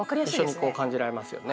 一緒にこう感じられますよね。